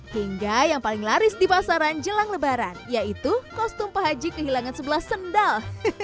hingga yang paling laris di pasaran jelang lebaran yaitu kostum pak haji kehilangan sebelah sendal